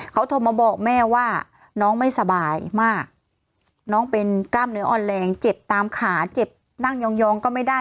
เขาโทรมาบอกแม่ว่าน้องไม่สบายมากน้องเป็นกล้ามเนื้ออ่อนแรงเจ็บตามขาเจ็บนั่งยองก็ไม่ได้